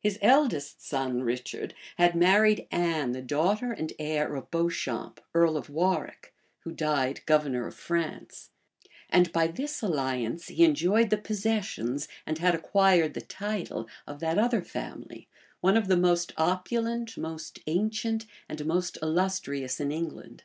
His eldest son, Richard, had married Anne, the daughter and heir of Beauchamp, earl of Warwick, who died governor of France; and by this alliance he enjoyed the possessions, and had acquired the title, of that other family, one of the most opulent, most ancient, and most illustrious in England.